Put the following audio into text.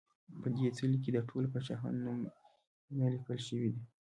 په دې څلي کې د ټولو پاچاهانو نومونه لیکل شوي دي